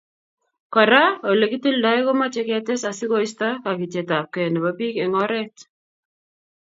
Kora Ole kitildoe komochei ketes asi koisto kakichetabkei nebo bik eng oret